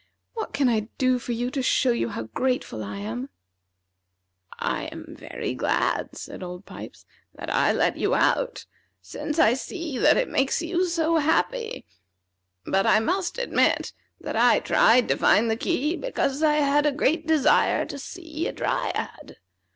What can I do for you, to show you how grateful I am?" "I am very glad," said Old Pipes, "that I let you out, since I see that it makes you so happy; but I must admit that I tried to find the key because I had a great desire to see a Dryad.